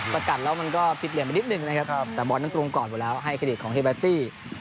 สกัดแล้วมันก็ผิดเหลี่ยไปนิดนึงนะครับแต่บอลนั้นตรงก่อนอยู่แล้วให้เครดิตของเฮเบตตี้